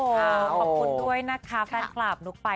ขอบคุณด้วยนะคะแฟนคลับนุ๊กไป